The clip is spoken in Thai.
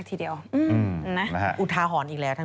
พี่ชอบแซงไหลทางอะเนาะ